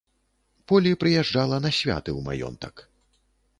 Полі прыязджала на святы ў маёнтак.